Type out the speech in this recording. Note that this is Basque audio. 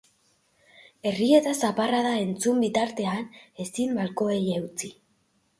Errieta zaparrada entzun bitartean, ezin malkoei eutsi.